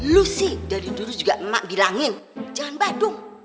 lu sih dari dulu juga emak bilangin jangan badung